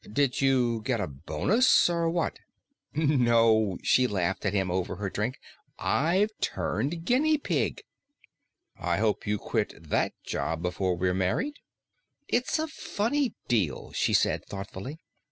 "Did you get a bonus, or what?" "No." She laughed at him over her drink. "I've turned guinea pig." "I hope you quit that job before we're married!" "It's a funny deal," she said thoughtfully.